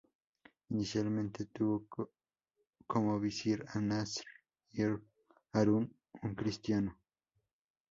Inicialmente tuvo como visir a Nasr ibn Harun, un cristiano.